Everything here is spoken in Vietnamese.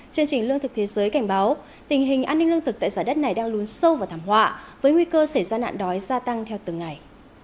chương trình lương thực thế giới cảnh báo tình hình an ninh lương thực tại giải đất này đang lún sâu vào thảm họa với nguy cơ xảy ra nạn đói gia tăng theo từng ngày